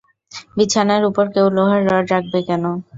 বিছানার ওপর কেউ লোহার রড রাখবে কেন?